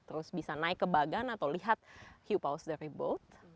terus bisa naik ke bagan atau lihat kebawah dari bawah